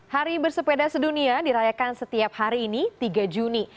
hari bersepeda sedunia dirayakan setiap hari ini tiga juni